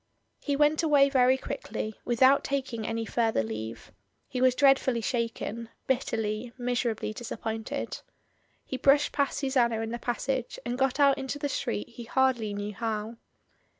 He went away very quickly, without taking any further leave. He was dreadfully shaken — bitterly, miserably disappointed. He brushed past Susanna in the passage, and got out into the street he hardly knew how.